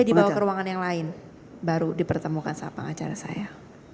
saya dibawa ke ruangan yang lain baru dipertemukan sama pengacara saya